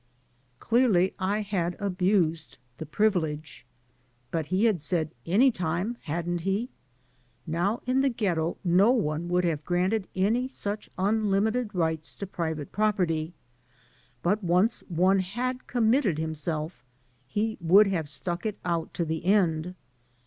Clearly I had abused the privilege. But he had said "any time,'* hadn't he? Now in the Ghetto no one would have granted any such unlimited rights to private property, but once one had committed himself he would have stuck it out to the end.